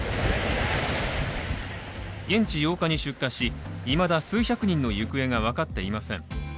現地８日に出火し、いまだ数百人の行方が分かっていません。